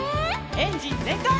エンジンぜんかい！